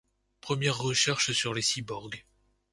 Première recherche sur les Cyborgs.